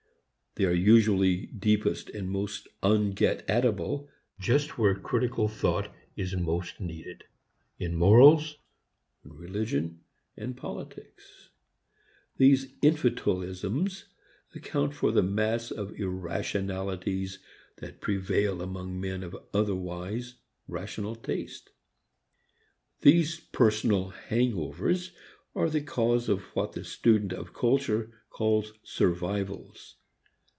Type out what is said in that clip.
They are usually deepest and most unget at able just where critical thought is most needed in morals, religion and politics. These "infantalisms" account for the mass of irrationalities that prevail among men of otherwise rational tastes. These personal "hang overs" are the cause of what the student of culture calls survivals.